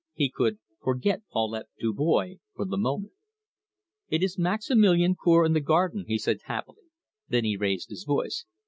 He could forget Paulette Dubois for the moment. "It is Maximilian Cour in the garden," he said happily. Then he raised his voice.